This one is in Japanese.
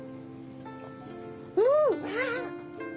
うん！